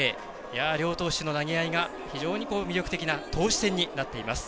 両投手の投げ合いが非常に魅力的な投手戦になっています。